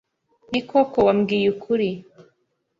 Ni koko wambwiye ukuri,